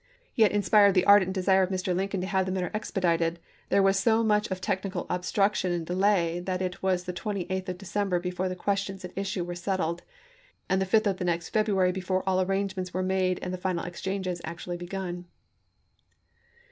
Yet in spite of the ardent desire of Mr. Lincoln to have the matter expedited, there was so much of technical obstruction and delay that it was the 28th of December before the questions at issue mi. were settled, and the 5th of the next February 186&, before all arrangements were made and the final exchanges actually begun.